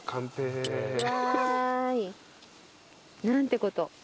何てこと。